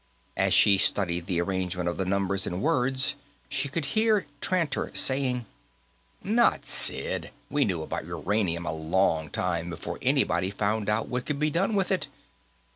As she studied the arrangement of the numbers and words, she could hear Tranter saying: "Nuts, Sid. We knew about uranium a long time before anybody found out what could be done with it.